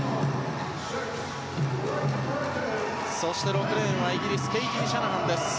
そして６レーンはイギリスのケイティ・シャナハンです。